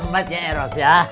selamat ya eros ya